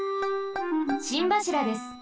心柱です。